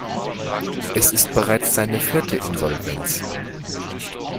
Es ist bereits seine vierte Insolvenz.